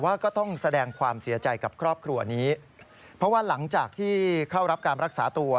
ก็ต้องแสดงความเสียใจกับครอบครัวนี้เพราะว่าหลังจากที่เข้ารับการรักษาตัว